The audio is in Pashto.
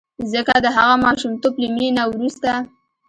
ځکه د هغه ماشومتوب له مینې نه وروسته.